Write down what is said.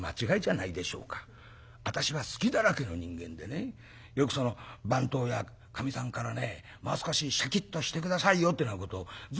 私は隙だらけの人間でねよく番頭やかみさんからねもう少しシャキッとして下さいよってなことをずっと言われてんですから」。